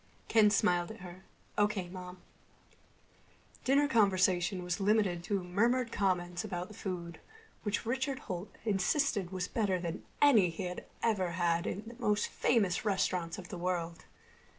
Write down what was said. Ken smiled at her. "O.K., Mom." Dinner conversation was limited to murmured comments about the food, which Richard Holt insisted was better than any he had ever had in the most famous restaurants of the world.